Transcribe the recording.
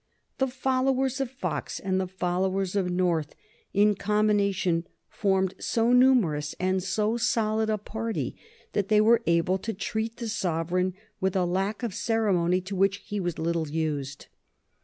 The followers of Fox and the followers of North in combination formed so numerous and so solid a party that they were able to treat the sovereign with a lack of ceremony to which he was little used.